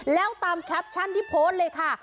แล้วตามแคปชั่นที่โพสต์เลยค่ะ